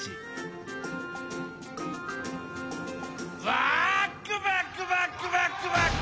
バクバックバックバックバック！